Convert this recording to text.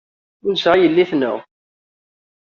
Ur nesεi yelli-tneɣ.